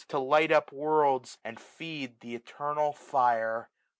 To light up worlds, and feed th' eternal fire.